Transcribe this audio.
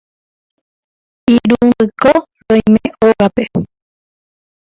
Irundýko roime ógape.